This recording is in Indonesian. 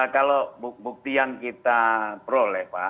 kalau bukti yang kita peroleh pak